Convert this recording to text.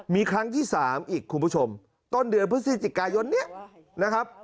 มีครั้งที่๓อีกคุณผู้ชมต้นเดือนพฤศจิกายนนี้นะครับ